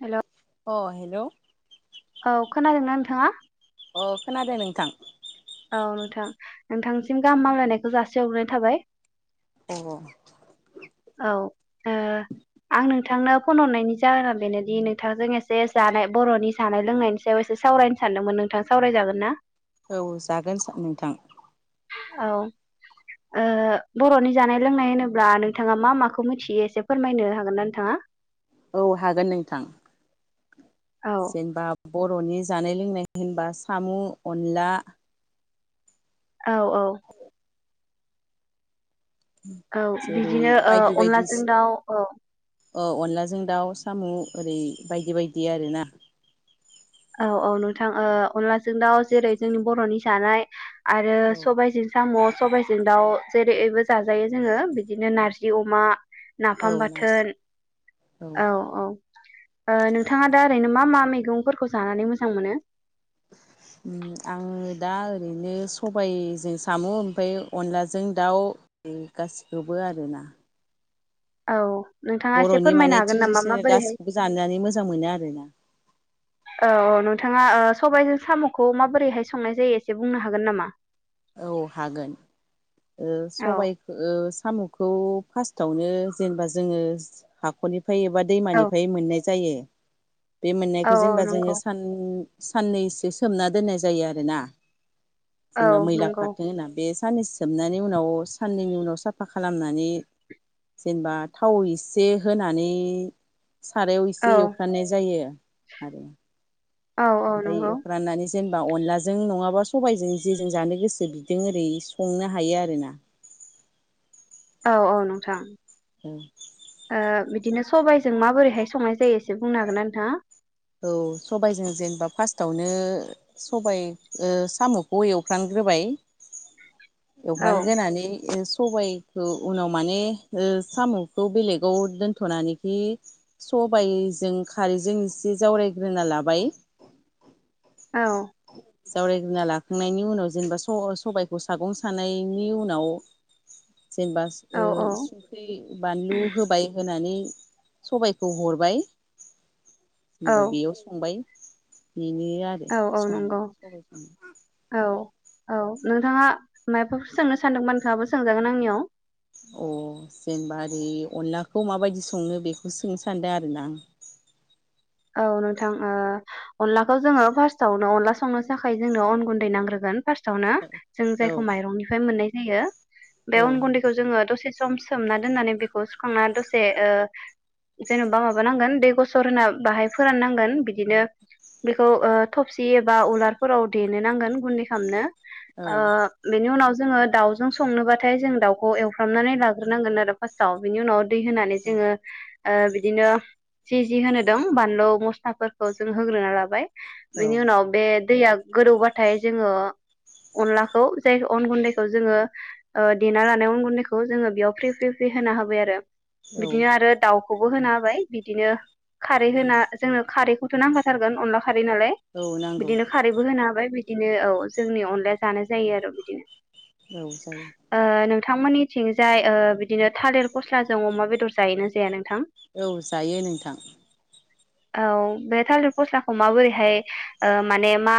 हेल' अ हेल' औ खोनादोंना नोंथाङा? अ खोनादों नोंथां? औ नोंथां नोंथांसिम गाहामलायनायखौ जासे हरग्रोनाय थाबाय। अ औ ओ आं नोंथांनो फन हरनायनि जाहोनाव बेनोदि नोंथांजों एसे जानाय बर'नि जानाय लोंनायनि सायाव एसे सावरायनो सानदोंमोन नोंथां सावराय जागोन ना? औ जागोन नोंथां। औ ओ बर'नि जानाय लोंनाय होनोब्ला नोंथाङा मा माखौ मिथियो एसे फोरमायनो हागोन ना नोंथाङा? औ हागोन नोंथां। औ जेनेबा बर'नि जानाय लोंनाय होनबा साम' अनला औ औ औ जेरै बिदिनो ओ अनलाजों दाउ औ अ अनलाजों दाउ साम' ओरै बायदि बायदि आरो ना। औ औ नोंथां अनलाजों दाउ जेरै जोंनि बर'नि जानाय। आरो औ सबाइजों साम' सबाइजों दाउ जेरैबो जाजायो जोङो बिदिनो नार्जि अमा नाफाम औ नारजि बाथोन औ औ ओ नोंथाङा दा ओरैनो मा मा मैगंफोर खौ जानानै मोजां मोनो। आङो दा ओरैनो सबायजों साम ओमफ्राय अनलाजों दाउ गासिखौबो आरो ना। औ नोंथाङा एसे बर'नि फोरमायनो माने हागोन नामा ट्रेडिसनेल माबोरैहाय गासिखौबो जानानै मोजां मोनो आरो। औ औ नोंथाङा सबायजों साम'खौ माबोरैहाय संनाय जायो एसे बुंनो हागोन नामा? औ हागोन। ओ औ सबाइखो ओ साम'खौ फार्स्टआवनो जेनेबा जोङो हाखरनि फायोबा औ दैमानिफ्राय मोननाय जायो बे औ मोननायखौ औ जेनेबा जोङो नंगौ सान साननैसो सोमना दोननाय जायो आरो ना। औ जेनेबा मैला नंगौ खारथों होनना बे सानिस सोबनानै उनाव साननैनि उनाव साफा खालामनानै जेनेबा थाव एसे होनानै सारायाव औ एसे एवफ्रानाय जायो। आरो औ औ बाय नंगौ एफ्रामनानै जेनेबा अनलाजों नङाबा सबायाइजों जेजों जानो गोसो बिजों ओरै संनो हायो आरो ना। औ औ नोंथां। औ ओ बिदिनो सबाइजों माबोरैहाय संनाय जायो एसे बुंनो हागोनना नोंथाङा? औ सबबायजों जेनेबा फार्स्टावनो सबाइ सामखौ एवफ्रानग्रोबाय औ एवफ्रानग्रोनानै सबाइखौ उनाव माने ओ सामखौ बेलेगाव दोनथनानैखि सबाइजों खारैजों एसे जावरायग्रोना लाबाय औ जावरायग्रोना लाखांनायनि उनाव जेनेबा सबायखौ सागं सानायनि उनाव जेनेबा औ ओ संख्रि बानलु होबाय होनानै सबाइखौ हरबाय औ होमबा बेयाव संबाय। बेनो आरो औ औ सङो नंगौ सबाइ औ सङो औ नोंथाङा मायबाफोर सोंनो सानदोंबा नोंथाङाबो सोंजागोन आंनियाव। अ जेनबा ओरै अनलाखौ माबायदि संनो बेखौसो सोंनो सानदों आरो ना आं। औ नोंथां ओ अनलाखौ जोङो फार्स्टआवनो अनला संनो थाखाय जोंनो अन गुन्दै नांग्रोगोन। फार्स्टआवनो जों औ जायखौ माइरंनिफ्राय मोननाय जायो। औ बे अन गुन्दैखो जोङो दसे सम सम सोमना दोननानै बेखौ सुखांना दसे जेनबा माबानांगोन दै गसर होनना बाहाय फोराननांगोन बिदिनो बेखौ ओ थबसि एबा उलारफोराव देनो नांगोन गुन्दै खालामनो औ आ बेनि उनाव जोङो दाउजों संनोबाथाय जों दाउखौ एवफ्रामनानै लाग्रोनांगोन आरो फार्स्टआव बिनि उनाव दै होनानै जोङो। ओ बिदिनो जि जि होनो बानलु मस्लाफोरखौ जों होग्रोना लाबाय। बे औ नि उनाव बेे दैया गोदौबाथाय जोङो अनलाखौ जाय अन गुन्दैखौ जोङो देना लानाय अन गुन्दैखौ जोङो बेयाव फ्रि फ्रि फ्रि होना होबाय आरो। औ बिदिनो आरो दाउखौ बो होना हाबाय बिदिनो खारै होना जोंनो खारैखौ खो नांखाथारगोन अन खारै नालाय औ नांगौ बिदिनो खारैबो होनो हाबाय। बिदिनो औ जोंनि अनलाया जानाय जायो आरो बिदिनो औ जायो। ओ नोंथांमोननिथिंजाय ओ बिदिनो थालिर फस्लाजों अमा बेदर जायोना जाया नोंथां। औ जायो नोंथां। औ बे थालिर फस्लाखौ माबोरैहाय ओ माने मा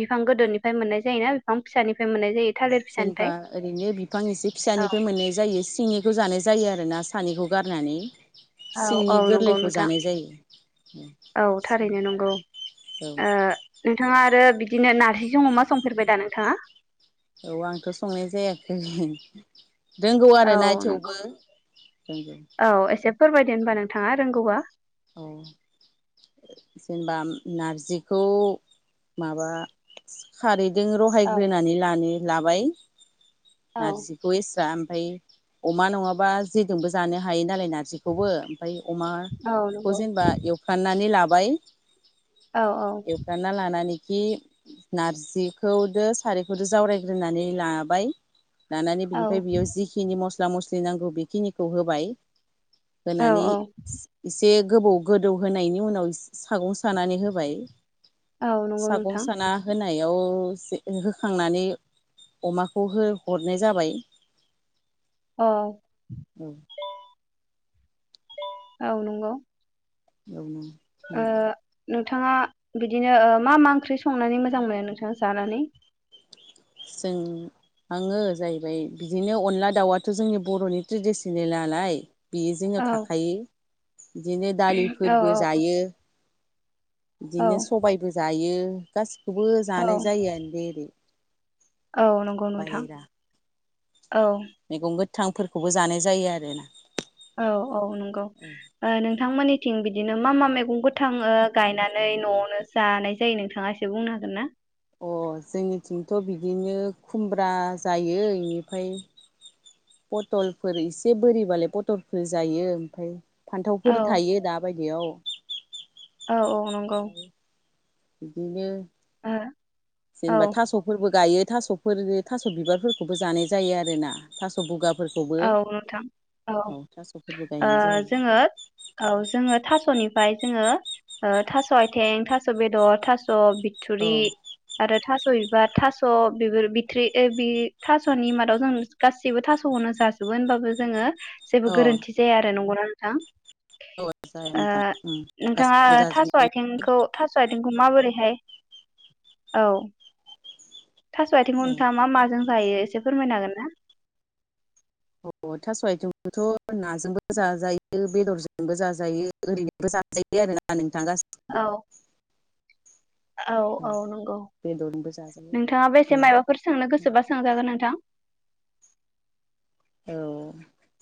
बिफां गोदोनिफ्राय मोननाय जायोना बिफां फिसानिफ्राय मोननाय जायो? थालिर जेनेबा फिसानिफ्राय ओरैनो बिफां एसे औ फिसानिफ्राय मोननाय जायो सिंनिखौ जानाय जायो आरो ना। सानिखौ गारनानै औ सिंनि औ नंगौ गोरलैखौ नुथां जानाय जायो ओ थारैनो औ नंगौ नोंथाङा आरो बिदिनो नारजिजों अमा संफेरबाय दा नोंथाङा? औ आंथ' संनाय जायाखै। रोंगौ औ आरोना नंगौ थेवबो रोंगौ। फोरबायदि होनबा नोंथाङा रोंगौबा। अ जेनेबा नारजिखौ माबा खारै जों औ रहायग्रोनानै लानि लाबाय। औ नारजिखौ एसा ओमफ्राय अमा नङाबा जेजोंबो जानो हायो नालाय नारजिखौबो। ओमफ्राय औ अमाखौ नंगौ जेनेबा एवखनानै लाबा औ बाय एखना लानानै खि नारजिखौदो सारायखौदो जावरायग्रोनानै लाबाय। लानानै औ बिनिफ्राय बेयाव जिखिनि मस्ला मस्ला मस्लि नांगौ बेखिनिखौ होबाय। औ होनानै एसे गोबौ गोदौ होनायनि उनाव सागं सानानै होबाय। औ नंगौ सागं नोंथां साना होनाय बेयाव होखांनानै अमाखौ हो अरनाय जाबाय। औ। औ औ नंगौ। औ। आ नों नोंथाङा बिदिनो ओ मा मा ओंख्रि संनानै मोजां मोनो नोंथाङा जानानै? जों आङो जाहैबाय बिदिनो अनला दाउआथ' जोंनि बर'नि ट्रेडिसनेल नालाय बेयो औ जोङो थाखायो बिदिनो औ दालिफोरबो जायो। औ बिदिनो सबायबो जायो गासि बेखौबो औ जानाय जायो आरो दे ओरै औ नंगौ नोंथां। बाहेरा औ। थांफोरखौबो जानाय जायो आरो औ औ नंगौ ओ नोंथांमोननि जों बिदिनो मा मा मैगं गो थाङो गायनानै न'आवनो जानाय जायो नोंथाङा एसे बुंनो हागोन ना? अ जोंनिथिंथ' बिदिनो खुमब्रा जायो बेनिफ्राय पटलफोर एसे बोरिबालाय पथलफोर जायो ओमफ्राय औ फान्थावफोर थायो दाबायदियाव औ औ नंगौ बिदिनो ओ औ जेनेबा थास'फोरबो गायो । ' थास' बिबारफोरखौबो जानाय जायो आरोना थास' बुगा औ नोंथां औ थास'फोरबो ओ गायनाय जायो जोङो औ जोङो थास'नि ओमफ्राय जोङो ओ थास' आथिं थास' बेदर थास' स' औ बिथुरि आरो थास' बा थास' बिफोर बिथ्रि थास'नि मादाव जों गाससिबो थास' खोनो जा जाजोबो होनबाबो जोङो जेबो अ गोरोन्थि जाया आरो नंगौना नोंथां औ जायो नोंथां नोंथाङा गासिखौबो थास' जाजोबनाय आथिंखौ थास' आथिंखौ माबोरै औ थास' आथिंखौ नोंथाङा मा माजों जायो एसे फोरमायनो हागोन ना अ थास' आयथिंखौथ' नाजोंबो जाजायो बेदरजोंबो जाजायो ओरैनोबो जाजायो आरो ना नोंथां । [inaudible] औ औ औ नंगौ बेदरजोंबो जाजायो नोंथाङा औ बेसे माबाफोर सोंनो गोसोबा सोंजागोन नोंथां । औ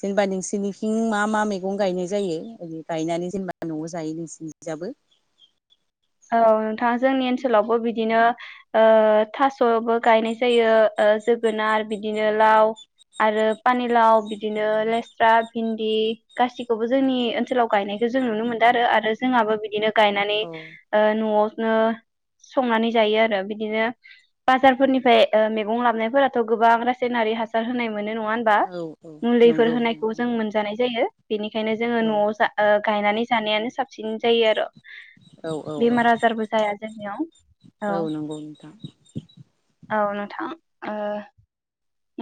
जेनेबा नोंसिनिथिं मा मा मैगं गायनाय जायो ओै गायनानै जेनेबा न'आव जायो नोंसिनिथिंजाबो औ नोंथाङा जोंनि ओनसोलावबो बिदिनो थास'बो गायनाय जायो जोगोनार बिदिनो लाव आरो पानिलााव बिदिनो लेस्रा भिन्दि गासिखौबो जोंनि ओनसोलाव गायनायखौ जों नुनो मोनदों आरो आरो जोंहाबो बिदिनो गायनानानै अ न'आवनो संनानै जायो आरो बिदिनो बाजारफोरनिफ्राय मैगं लाबनायफोराथ' गोबां रासायनारि हासार होनाय मोनो नङा होमबा औ औ मुलिफोर नंगौ होनायखौ नोंथां जों मोनजानाय जायो बेनिखायनो जोङो औ न'आव गायनानै जानायानो साबसिन । जायो आरो औ औ औ बेमार आजारबो जाया जोंनियाव औ नंगौ नोंथां औ नोंथां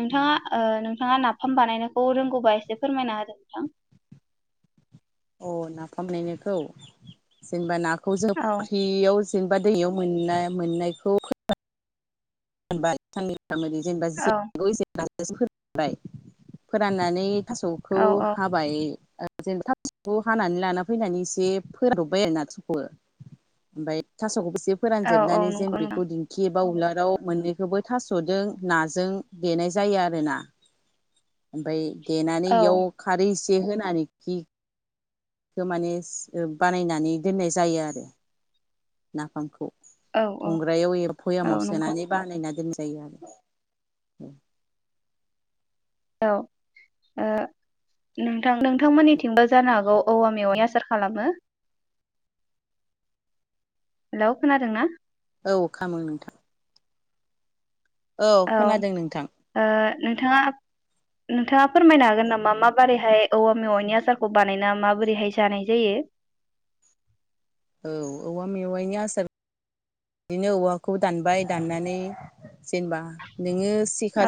नोंथाङा अ नोंथाङा नाफाम बानायनायखौ रोंगौबा एसे फोरमायना होदों नोंथां। अ नाफाम बानायनायखौ जेनेबा नाखौ औ फुख्रियाव जेनेबा दैयाव मोननाय मोननायखौ [unintelligible] [unintelligible] औ फोरानबाय फोराननानै। थास'खौ औ औ हाबाय ज थास'खौ हानानै लाना फैनानै एसे फोरानब्रबबाय आरो नाथुरखौ ओमफ्राय थास'खौ ज औ औ फोरानजोबनानै जेन नंगौ बेखौ नोंथां दिंखि एबा बा अनलाखौ मोनोनैखौबो थास'दों नाजों देनाय जायो आरोना ओमफ्राय देनानै औ इयाव खारै एसे होनानै बेखौ माने बानायनानै दोननाय जायो आरो। नाफामखौ औ औ संग्रायाव एबा औ भयामाव नंगौ सोनानै बानायना दोन जायो आरो औ। औ ओ नोंथां नोंथांमोननिथिंबो जानो हागौ औवा मेवाय आसार खालामो। हेलौ खोनादों ना? औ खामो नोंथां। औ खोनादों नोंथां? ओ नोंथाङा नोंथाङा फोरमायनो हागोन नामा माबोरैहाय औवा मेवाइनि आसारखौ बानायना माबोरैहाय जानाय जायो। औ औवा मेवायनि आसार बिदिनो औवाखौ दानबाय दाननानै जेनेबा नोङो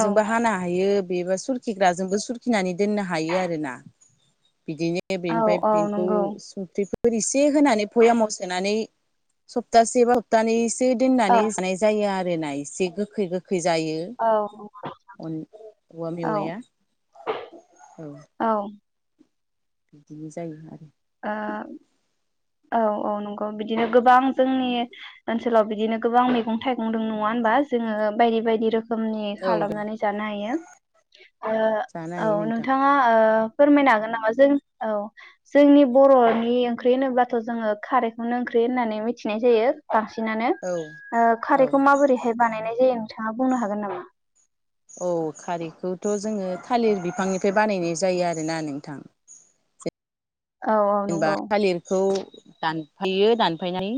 औ हानो हायो। बेबा सुरखिग्राजोंबो सुरखिनानै दोननो हायो आरो ना। बिदिनो औ बेनिफ्राय औ बेखौ नंगौ सं [unintelligible] फोर एसे होनानै भयामाव सोनानै सप्तासे बा दानिस ए औ दोननानै जानाय जायो आरो नाय एसे गोखै गो फैजायो औ अन औवा औ मेवाया औ। बिदिनो जायो आरो। ओ औ औ नंगौ बिदिनो गोबां जोंनि ओनसोलाव बिदिनो गोबां मैगं थाइगं दं नङा होनबा जोङो बायदि बायदि रोखोम रोखोमनि औ दं खालामनानै जानो हायो। [inaudible] ओ जानो औ हायो नोंथां नोंथाङा ओ। फोरमायनो हागोन नामा जों औ। जोंनि बर'नि ओंख्रि होनोबाथ' जोङो खारैखौनो ओंख्रि होननानै मिथिनाय जायो बांसिन औ बांसिनानो औ खारैखौ माबोरैहाय बानायनाय जायो । बिथाङा बुंनो हागोन नामा? औ खारैखौथ' जोङो थालिर बिफांनिफ्राय बानायनाय जायो आरोना नोंथां । औ औ जेनेबा नंगौ थालिरखौ दानफायो दानफायनानै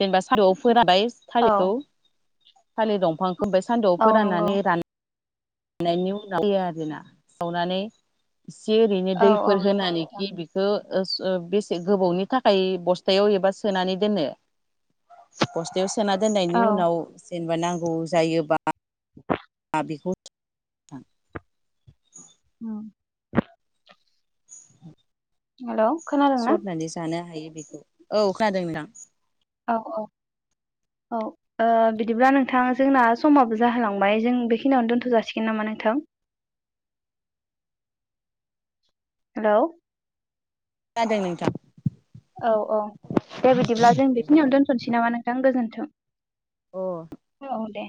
जेनेबा सानदुंआव फोरानबाय औ थालिरखौ थलिर दंफां ओमफ्राय सान्दुंआव औ नंगौ फोराननानै रान गायनायनि उनाव फैया आरोना सावनानै इसे ओरैनो औ औ दैफोर नंगौ नोंथां होनानैखि बेखौ ओ बेसे गोबावनि थाखाय बस्थायाव एबा सोनानै दोनो बस्थायाव सो सोना दोननायनि औ उनाव जेनेबा नांगौ जायोबा बिखौ [unintelligible] [inaudible] औ हेल' खोनादोंना सरनानै जानो हायो । बेखौ औ खोनादों नोंथां औ औ औ ओ बिदिब्ला नोंथां जोंना समाबो जाहोलांबाय जों बेखिनियावनो दोनथ' जासिगोन नामा नोंथां? हेल' जादों नोंथां औ औ दे बिदिब्ला जों बेखिनियावनो दोनथ'नोसै नामा नोंथां गोजोन्थों औ दे अ । [inaudible] औ दे